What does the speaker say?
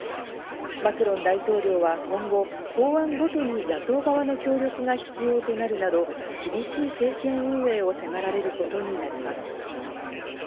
マクロン大統領は今後、法案ごとに野党側の協力が必要となるなど、厳しい政権運営を迫られることになります。